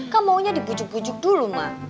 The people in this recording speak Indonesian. kan maunya dibujuk bujuk dulu ma